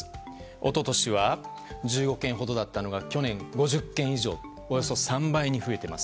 一昨年は１５件ほどだったのが去年、５０件以上およそ３倍に増えています。